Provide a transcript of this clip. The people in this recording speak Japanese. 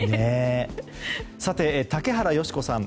さて、竹原芳子さん